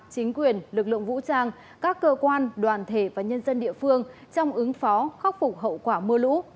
chính quyền lực lượng vũ trang các cơ quan đoàn thể và nhân dân địa phương trong ứng phó khắc phục hậu quả mưa lũ